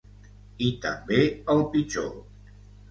I també el pitjor.